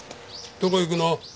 どこ行くの？